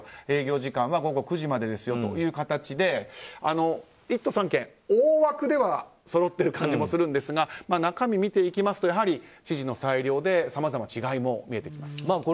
営業時間は午後９時までですよという形で１都３県、大枠ではそろっている感じもするんですが中身を見ていきますとやはり知事の裁量でさまざま違いも見えてきます。